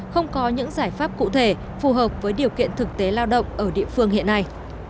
không có những giải pháp cụ thể phù hợp với điều kiện thực tế lao động ở địa phương hiện nay